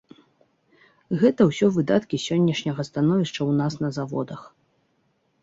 Гэта ўсё выдаткі сённяшняга становішча ў нас на заводах.